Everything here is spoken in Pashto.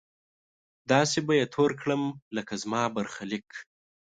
داسې به يې تور کړم لکه زما برخليک!